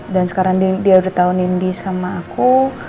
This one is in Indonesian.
dan sekarang dia udah tau nindi sama aku